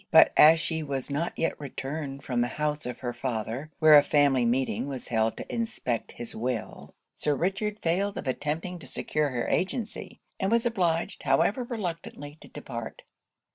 But as she was not yet returned from the house of her father, where a family meeting was held to inspect his will, Sir Richard failed of attempting to secure her agency; and was obliged, however reluctantly, to depart.